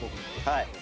はい。